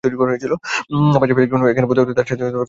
পাশের বাসার একজন এখানে পড়ত, তার সাথেই ক্লাস থ্রি থেকে এখানে পড়ি।